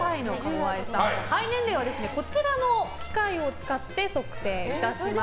肺年齢は、こちらの機械を使って測定いたします。